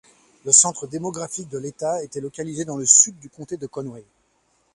Le centre démographique de l'État était localisé dans le sud du comté de Conway.